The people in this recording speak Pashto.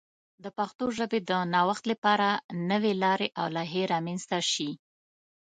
د پښتو ژبې د نوښت لپاره نوې لارې او لایحې رامنځته شي.